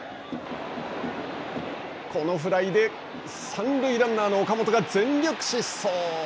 このフライで三塁ランナーの岡本が全力疾走。